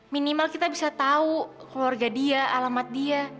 minimal kita bisa tahu keluarga dia alamat dia